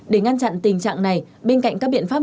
để ngăn chặn tình trạng này bên cạnh các biện pháp